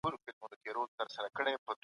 لیکوال ځانګړی حالت لري.